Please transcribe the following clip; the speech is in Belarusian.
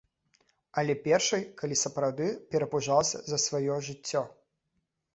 Але першай, калі сапраўды перапужалася за сваё жыццё.